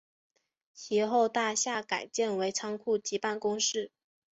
其后大厦改建为仓库及办公室。